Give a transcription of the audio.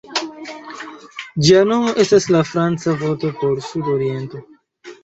Ĝia nomo estas la franca vorto por "sud-oriento".